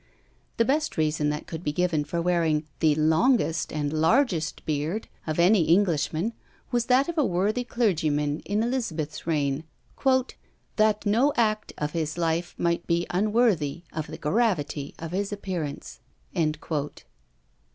The best reason that could be given for wearing the longest and largest beard of any Englishman was that of a worthy clergyman in Elizabeth's reign, "that no act of his life might be unworthy of the gravity of his appearance."